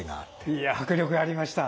いや迫力ありました。